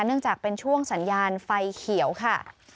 เนื่องจากเป็นช่วงสัญญาณไฟเขียวค่ะ